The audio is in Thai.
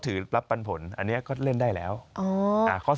ที่มันกำลังตก